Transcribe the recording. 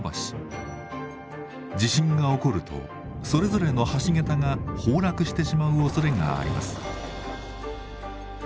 地震が起こるとそれぞれの橋桁が崩落してしまうおそれがあります。